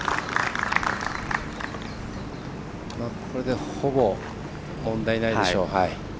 これでほぼ問題ないでしょう。